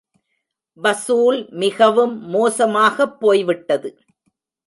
வசூல் மிகவும் மோசமாகப் போய் விட்டது.